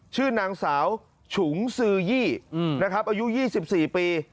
ชื่อนางสาวฉุงซื้อยี่อืมนะครับอายุยี่สิบสี่ปี